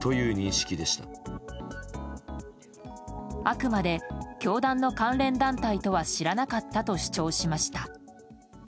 あくまで教団の関連団体とは知らなかったと主張しました。